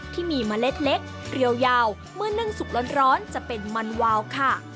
เมล็ดเล็กเรียวยาวเมื่อนึ่งสุกร้อนจะเป็นมันวาวค่ะ